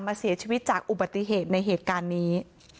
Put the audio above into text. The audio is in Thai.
เสียชีวิตจากอุบัติเหตุในเหตุการณ์นี้